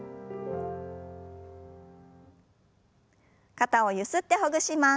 肩をゆすってほぐします。